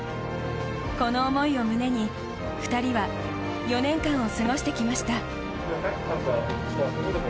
この思いを胸に、２人は４年間を過ごしてきました。